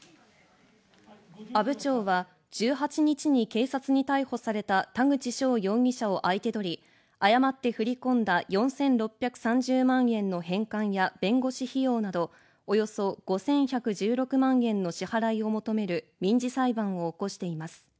阿武町は１８日に警察に逮捕された田口翔容疑者を相手取り、誤って振り込んだ４６３０万円の返還や弁護士費用など、およそ５１１６万円の支払いを求める民事裁判を起こしています。